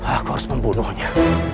aku harus membunuhnya